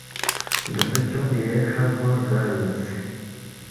دوسے چوق ییکھہ کھو رگلس